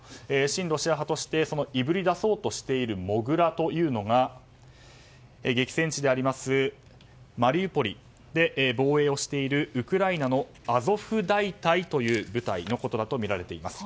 親ロシア派としていぶり出そうとしているモグラというのが激戦地マリウポリで防衛をしているウクライナのアゾフ大隊という部隊のことだとみられています。